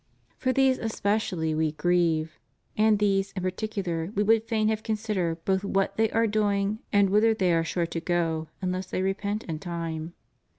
For these especially We grieve; and these, in particular, We would fain have consider both what they are doing and whither they are sure to go unless they repent in time.